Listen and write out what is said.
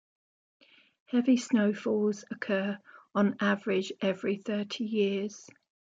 Heavy snowfalls occur on average every thirty years.